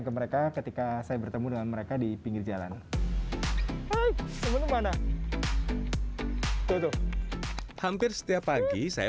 ke mereka ketika saya bertemu dengan mereka di pinggir jalan sebelum mana tutup hampir setiap pagi saya